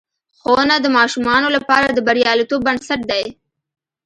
ښوونه د ماشومانو لپاره د بریالیتوب بنسټ دی.